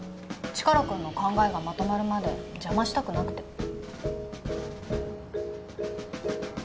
チカラくんの考えがまとまるまで邪魔したくなくて。